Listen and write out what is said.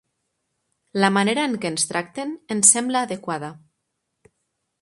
La manera en què ens tracten, ens sembla adequada.